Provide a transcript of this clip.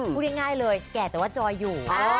พูดง่ายเลยแก่แต่ว่าจอยอยู่